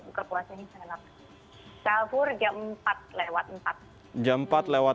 buka puasanya setengah delapan sahur jam empat lewat empat